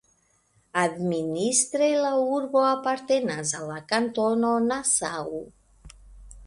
Administre la urbo apartenas al la kantono Nassau.